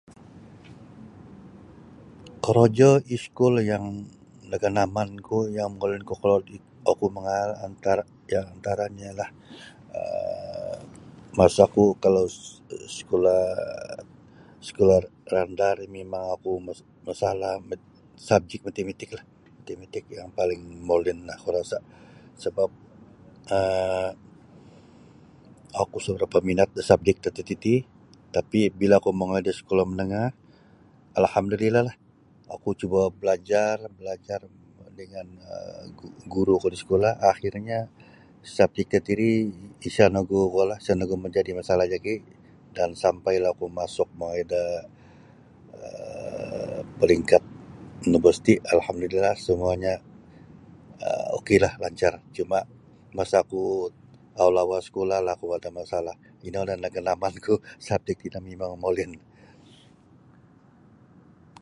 Korojo iskul yang nagandamanku yang molin kokolod oku mangaal antara diantaranyo ialah um masaku kalau sekolah sekolah randah ri mimang oku masalah sabjek mitimitiklah mitimitik yang paling molinlah ku rasa sabap um oku sa barapa minat da sabjek tatiti ti tapi bila oku mongoi da sekolah menengah alhamdulillahlah oku cuba belajar belajar dengan um guruku da sekolah akhirnyo sabjek tatiri isa nogu masalah dajoki dan sampailah oku masuk mongoi da um peringkat universiti alhamdulillah semuanya um ok lah lancar cuma masaku awal-awal sekolahlah oku ada masalah inolah nagandamanku sabjek tino mimang molin.